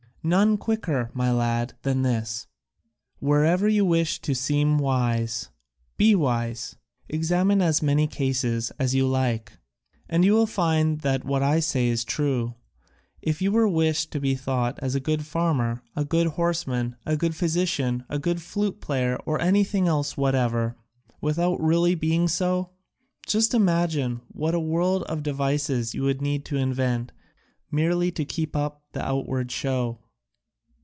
"None quicker, my lad, than this: wherever you wish to seem wise, be wise. Examine as many cases as you like, and you will find that what I say is true. If you wished to be thought a good farmer, a good horseman, a good physician, a good flute player, or anything else whatever, without really being so, just imagine what a world of devices you would need to invent, merely to keep up the outward show!